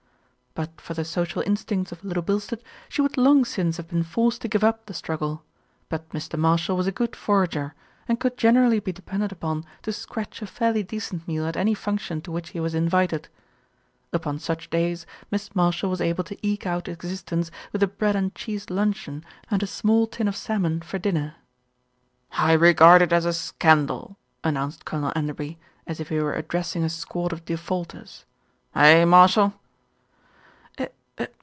But for the social instincts of Little Bilstead, she would long since have been forced to give up the struggle; but Mr. Marshall was a good forager, and could generally be depended upon to scratch a fairly decent meal at any function to which he was invited. Upon such days Miss Marshall was able to eke out existence with a bread and cheese luncheon and a small tin of salmon for dinner. "I regard it as a scandal!" announced Colonel En derby, as if he were addressing a squad of defaulters. "Eh! Marshall?"